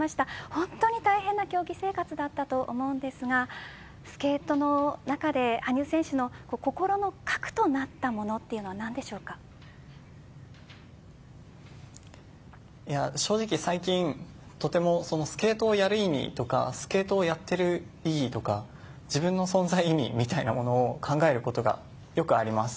本当に大変な競技生活だったと思うんですがスケートの中で羽生選手の心の核となったものは正直最近、とてもスケートをやる意味とかスケートをやっている意義とか自分の存在意義みたいなもの考えることがよくあります。